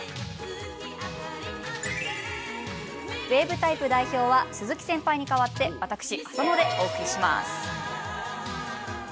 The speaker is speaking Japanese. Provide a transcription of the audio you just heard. そして、ウエーブタイプ代表は鈴木アナウンサーに代わって私、浅野でお送りします。